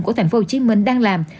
của tp hcm đang làm